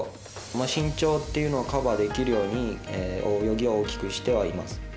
身長というのをカバーできるように泳ぎは大きくしてはいます。